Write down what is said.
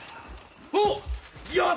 おっやったよ！